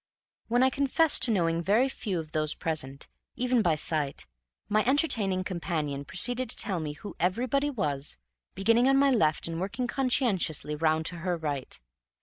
When I confessed to knowing very few of those present, even by sight, my entertaining companion proceeded to tell me who everybody was, beginning on my left and working conscientiously round to her right.